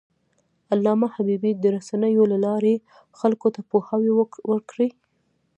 علامه حبيبي د رسنیو له لارې خلکو ته پوهاوی ورکړی.